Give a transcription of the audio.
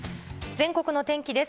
全国の天気です。